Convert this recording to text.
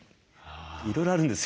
いろいろあるんですよ。